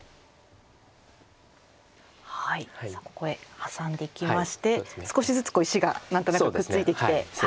さあここへハサんできまして少しずつ石が何となくくっついてきて。